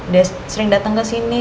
dia sering datang ke sini